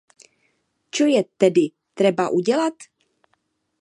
Čo je tedy třeba udělat?